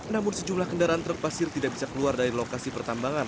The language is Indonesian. namun sejumlah kendaraan truk pasir tidak bisa keluar dari lokasi pertambangan